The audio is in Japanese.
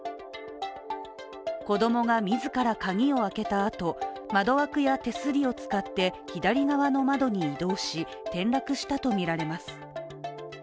子供が自ら鍵を開けたあと、窓枠や手すりを使って左側の窓に移動し、転落したとみられます。